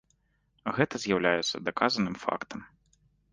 Гэта з'яўляецца даказаным фактам.